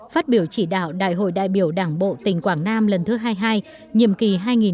phát biểu chỉ đạo đại hội đại biểu đảng bộ tỉnh quảng nam lần thứ hai mươi hai nhiệm kỳ hai nghìn hai mươi hai nghìn hai mươi năm